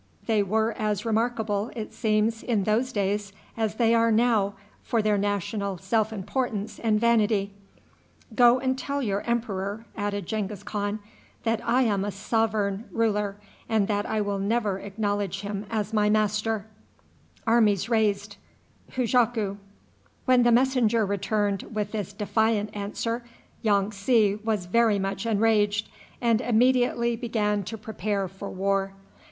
They were as remarkable, it seems, in those days as they are now for their national self importance and vanity. "Go and tell your emperor," added Genghis Khan, "that I am a sovereign ruler, and that I will never acknowledge him as my master." When the messenger returned with this defiant answer, Yong tsi was very much enraged, and immediately began to prepare for war.